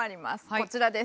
こちらです。